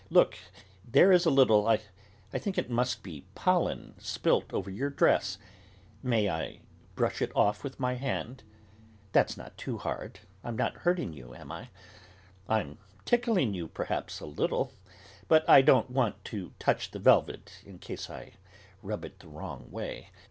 Look, there is a little I think it must be pollen, spilt over your dress, may I brush it off with my hand? That's not too hard; I'm not hurting you, am I? I'm tickling you, perhaps, a little; but I don't want to touch the velvet in case I rub it the wrong way.